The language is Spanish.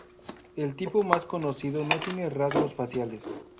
El tipo más conocido no tiene rasgos faciales.